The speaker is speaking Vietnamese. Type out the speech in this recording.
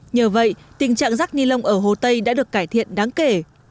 nhờ vậy tình trạng rác ni lông ở hồ tây đã được cải thiện đáng kể